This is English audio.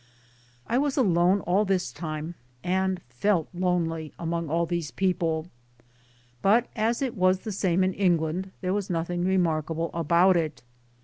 I was alone all this time, and felt lonely, among all these people ; but as it was the same in England there was nothing remarkable about it